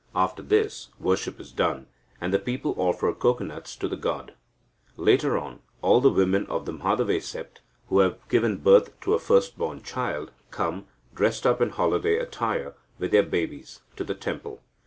After this, worship is done, and the people offer cocoanuts to the god. Later on, all the women of the Madhave sept, who have given birth to a first born child, come, dressed up in holiday attire, with their babies, to the temple.